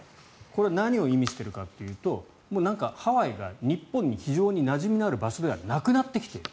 これは何を意味しているかというともうハワイが日本に非常になじみのある場所ではなくなってきている。